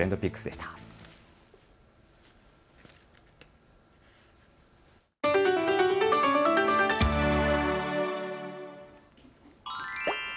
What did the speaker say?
ここまでＴｒｅｎｄＰｉｃｋｓでした。